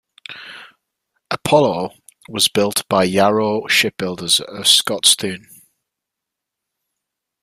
"Apollo" was built by Yarrow Shipbuilders of Scotstoun.